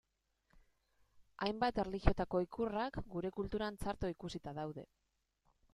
Hainbat erlijiotako ikurrak gure kulturan txarto ikusita daude.